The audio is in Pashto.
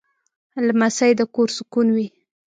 لمسی د کور سکون وي.